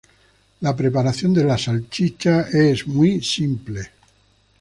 La preparación de la salchicha es muy simple.